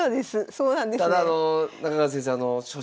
そうなんですね。